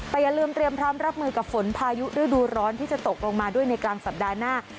แต่อย่าลืมเตรียมพร้อมรับมือกับฝนพายุฤดูร้อนที่จะตกลงมาด้วยในกลางสัปดาห์หน้า